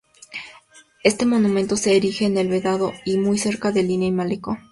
Este monumento se erige en El Vedado muy cerca de Línea y Malecón.